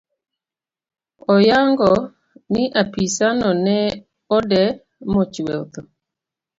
Oyango ni apisano ne odee mochwe othoo.